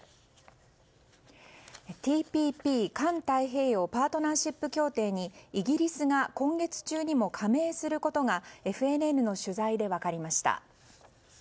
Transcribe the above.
ＴＰＰ・環太平洋パートナーシップ協定にイギリスが今月中にも加盟することがＦＮＮの取材で分かりました。